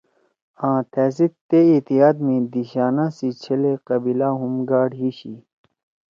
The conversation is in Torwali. آں تھأ سیت تے اتحاد می ”دیشانا“ سی چھلے قبیلہ ہُم گاڑ ہیِشی۔